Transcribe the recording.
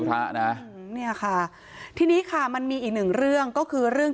พระนะเนี่ยค่ะทีนี้ค่ะมันมีอีกหนึ่งเรื่องก็คือเรื่อง